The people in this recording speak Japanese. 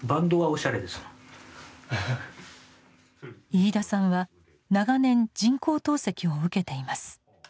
飯田さんは長年人工透析を受けています。